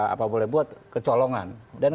apa boleh buat kecolongan dan